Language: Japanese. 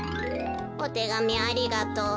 「おてがみありがとう。